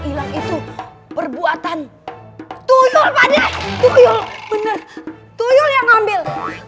hilang itu perbuatan tuyul pada tuyul bener tuyul yang ngambil